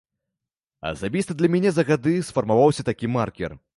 Асабіста для мяне за гады сфармаваўся такі маркер.